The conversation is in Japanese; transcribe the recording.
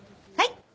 はい？